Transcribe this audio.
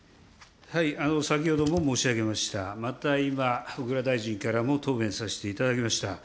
先ほども申し上げました、また今、小倉大臣からも答弁させていただきました。